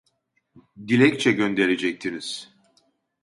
Dilekçe gönderecektiniz